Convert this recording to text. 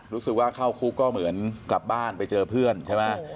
รู้สึกว่าเข้าคุกก็เหมือนกลับบ้านไปเจอเพื่อนใช่ไหม